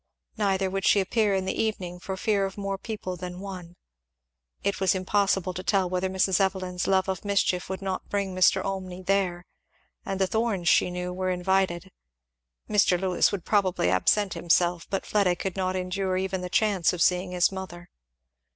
Neither would she appear in the evening, for fear of more people than one. It was impossible to tell whether Mrs. Evelyn's love of mischief would not bring Mr. Olmney there, and the Thorns, she knew, were invited. Mr. Lewis would probably absent himself, but Fleda could not endure even the chance of seeing his mother.